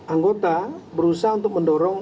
anggota berusaha untuk mendorong